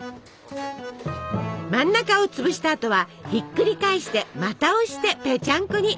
真ん中をつぶしたあとはひっくり返してまた押してぺちゃんこに！